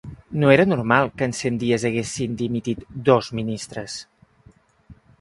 No era normal que en cent dies haguessin dimitit dos ministres.